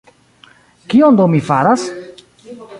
Kion do mi faras?